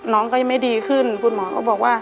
น้องก็ยังไม่ดีขึ้นคุณหมอก็บอกว่า